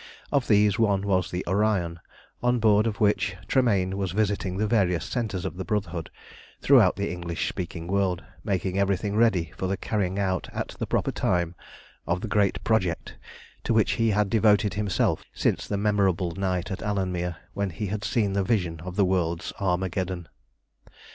Of these, one was the Orion, on board of which Tremayne was visiting the various centres of the Brotherhood throughout the English speaking world, making everything ready for the carrying out at the proper time of the great project to which he had devoted himself since the memorable night at Alanmere, when he had seen the vision of the world's Armageddon.